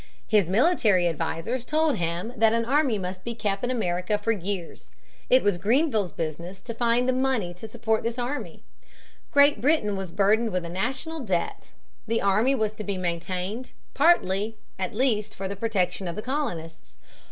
His military advisers told him that an army must be kept in America for years. It was Grenville's business to find the money to support this army. Great Britain was burdened with a national debt. The army was to be maintained, partly, at least, for the protection of the colonists.